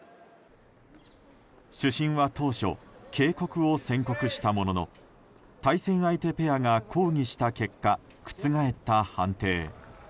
主審は当初警告を宣告したものの対戦相手ペアが抗議した結果覆った判定。